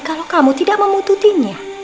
kalau kamu tidak membunuhnya